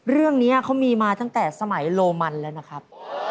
เรื่องนี้เขามีมาตั้งแต่สมัยโรมันแล้วนะครับ